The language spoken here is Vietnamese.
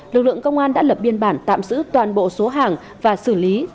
lực lượng công an đã lập biên bản tạm giữ toàn bộ số hàng và xử lý